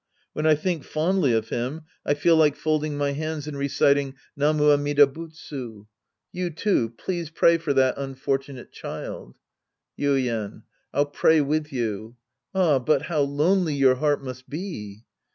When I tHnk fondly of him, I feel like folding Sp. II The Priest and His Disciples 133 my hands and reciting, " Namu Amida Butsu." You, too, please pray for that unfortunate child. Yuien. I'll pray with you. Ah, but how lonely your heart must be